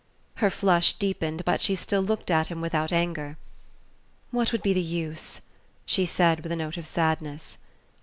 Her flush deepened, but she still looked at him without anger. "What would be the use?" she said with a note of sadness.